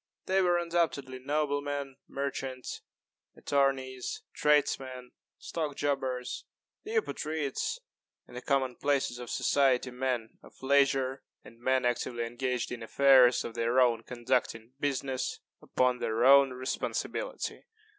They were undoubtedly noblemen, merchants, attorneys, tradesmen, stock jobbers the Eupatrids and the common places of society men of leisure and men actively engaged in affairs of their own conducting business upon their own responsibility.